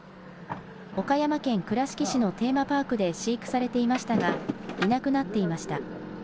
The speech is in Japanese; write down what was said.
岡山県倉敷市のテーマパークで飼育されていましたがいなくなっていました。